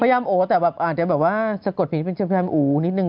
ยามโอแต่แบบอาจจะแบบว่าสะกดผีเป็นแรมอู๋นิดนึง